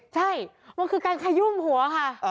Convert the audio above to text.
ใช่มันคือการขยุ่มหัวค่ะ